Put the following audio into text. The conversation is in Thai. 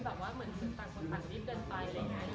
บางทีถ้าเกิดมันมีเรื่องที่ไม่เข้าใจกัน